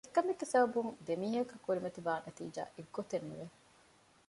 އެއް ކަމެއްގެ ސަބަބުން ދެ މީހަކަށް ކުރިމަތިވާ ނަތީޖާ އެއްގޮތެއް ނުވެ